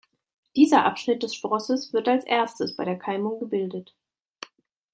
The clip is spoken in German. Dieser Abschnitt des Sprosses wird als erstes bei der Keimung gebildet.